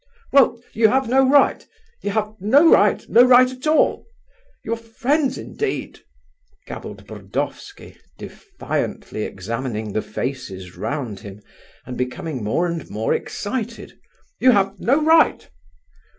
"Well, you have no right, you have no right, no right at all!... Your friends indeed!"... gabbled Burdovsky, defiantly examining the faces round him, and becoming more and more excited. "You have no right!..."